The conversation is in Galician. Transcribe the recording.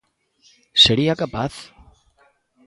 ¿Sería capaz?